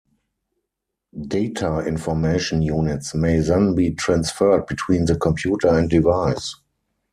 Data information units may then be transferred between the computer and device.